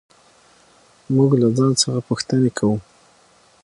موږ له ځان څخه پوښتنې کوو.